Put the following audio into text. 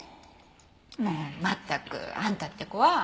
もうまったくあんたって子は。